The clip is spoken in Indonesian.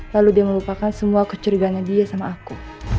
lalu dia melupakan semua kecurigaannya dia sama aku